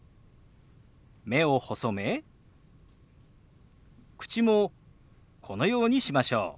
目を細め口もこのようにしましょう。